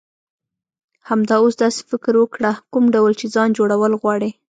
همدا اوس داسی فکر وکړه، کوم ډول چی ځان جوړول غواړی.